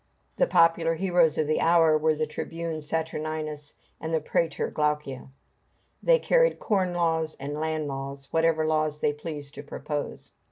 The popular heroes of the hour were the tribune Saturninus and the prætor Glaucia. They carried corn laws and land laws whatever laws they pleased to propose.